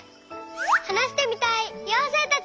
はなしてみたいようせいたち！